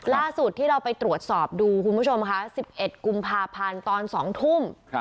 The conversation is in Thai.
ล่าสุดที่เราไปตรวจสอบดูคุณผู้ชมค่ะ๑๑กุมภาพันธ์ตอน๒ทุ่ม